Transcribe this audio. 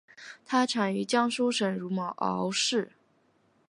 它产于江苏省如皋市。